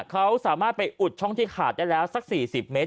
เขาสามารถไปอุดช่องที่ขาดได้แล้วสัก๔๐เมตร